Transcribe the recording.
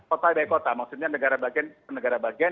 kota by kota maksudnya negara bagian negara bagian